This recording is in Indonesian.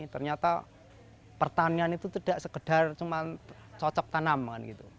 ternyata pertanian itu tidak sekedar cuma cocok tanaman gitu